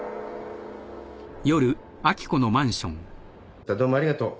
じゃあどうもありがとう。